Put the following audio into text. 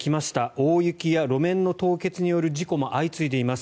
大雪や路面の凍結による事故も相次いでいます。